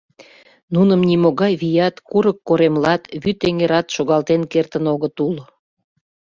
Нуным нимогай вият, курык-коремлат, вӱд эҥерат шогалтен кертын огыт ул.